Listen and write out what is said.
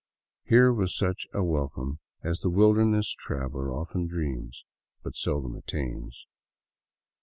Here was such a welcome as the wilderness traveler often dreams, but seldom attains.